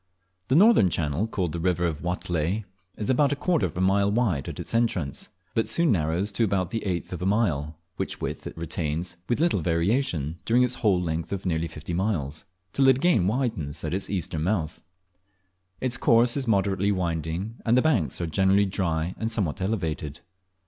The northern channel, called the river of Watelai, is about a quarter of a mile wide at its entrance, but soon narrows to abort the eighth of a mile, which width it retains, with little variation, during its whole, length of nearly fifty miles, till it again widens at its eastern mouth. Its course is moderately winding, and the hanks are generally dry and somewhat elevated.